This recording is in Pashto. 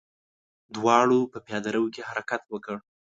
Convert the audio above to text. دواړو په پياده رو کې حرکت وکړ.